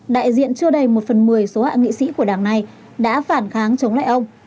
đại diện chưa đầy một phần một mươi số hạ nghị sĩ của đảng này đã phản kháng chống lại ông